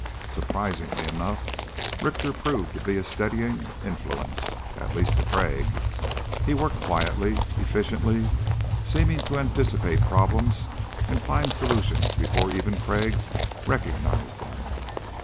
Surprisingly enough, Richter proved to be a steadying influence, at least to Crag. He worked quietly, efficiently, seeming to anticipate problems and find solutions before even Crag recognized them.